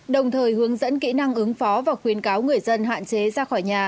đồng thời hướng dẫn kỹ năng ứng phó và khuyến cáo người dân hạn chế ra khỏi nhà